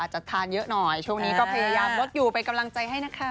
จะทานเยอะหน่อยช่วงนี้ก็พยายามลดอยู่เป็นกำลังใจให้นะคะ